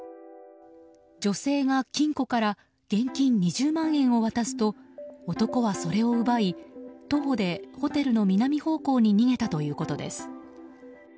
女性が金庫から現金２０万円を渡すと男はそれを奪い徒歩でホテルの南方向に逃げたということです。